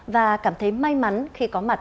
và cảm thấy may mắn khi có mặt